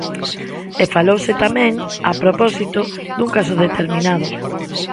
E falouse tamén a propósito dun caso determinado.